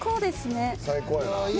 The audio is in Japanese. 最高やな。